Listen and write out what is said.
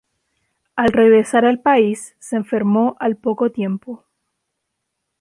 Al regresar al país, se enfermó al poco tiempo.